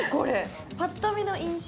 ぱっと見の印象。